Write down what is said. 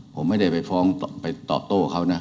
ผมไม่ได้ไปฟ้องไปตอบโต้เขานะ